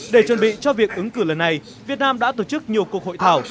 để chuẩn bị cho việc ứng cử lần này việt nam đã tổ chức nhiều cuộc hội thảo